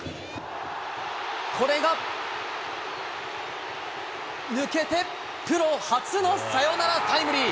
これが抜けてプロ初のサヨナラタイムリー。